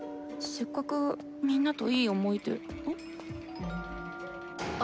せっかくみんなといい思い出。